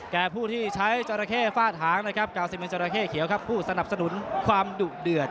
กาวซิเมนเจ้าตะเข้เขียวครับผู้สนับสนุนความดุเดือด